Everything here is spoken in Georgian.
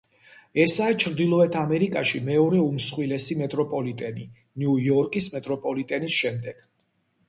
ესაა ჩრდილოეთ ამერიკაში მეორე უმსხვილესი მეტროპოლიტენი ნიუ-იორკის მეტროპოლიტენის შემდეგ.